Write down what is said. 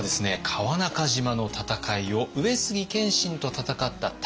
川中島の戦いを上杉謙信と戦った武田信玄。